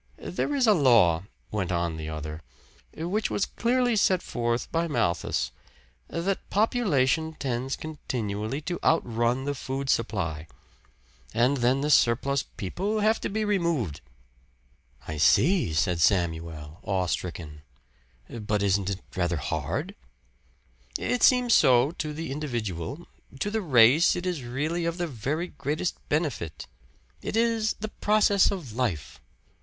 "There is a law," went on the other, "which was clearly set forth by Malthus, that population tends continually to outrun the food supply. And then the surplus people have to be removed." "I see," said Samuel, awestricken. "But isn't it rather hard?" "It seems so to the individual. To the race it is really of the very greatest benefit. It is the process of life."